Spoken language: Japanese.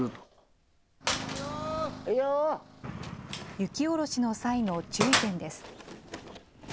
雪下ろしの際の注意点です。